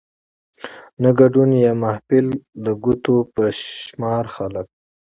نه ګدون يا محفل کې د ګوتو په شمار خلک